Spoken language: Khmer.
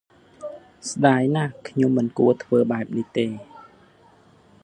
ស្តាយណាស់ ខ្ញុំមិនគួរធ្វើបែបនេះទេ ។